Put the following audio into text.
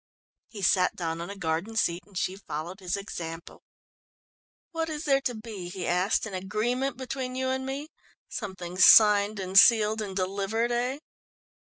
He sat down on a garden seat and she followed his example. "What is there to be?" he asked. "An agreement between you and me? Something signed and sealed and delivered, eh?"